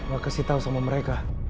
gak kasih tau sama mereka